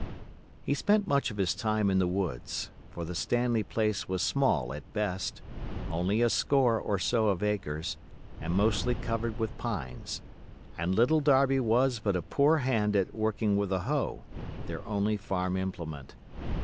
He spent much of his time in the woods, for the Stanley place was small at best, only a score or so of acres, and mostly covered with pines, and Little Darby was but a poor hand at working with a hoe—their only farm implement.